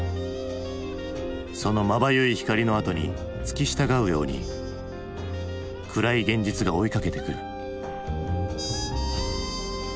そのまばゆい光のあとに付き従うように暗い現実が追いかけてくる。